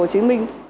hồ chí minh